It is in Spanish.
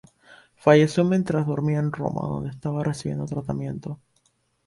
Falleció mientras dormía en Roma, donde estaba recibiendo tratamiento.